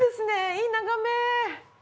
いい眺め。